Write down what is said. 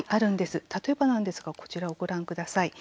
例えばなんですがこちらをご覧ください。